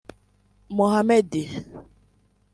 Mohamed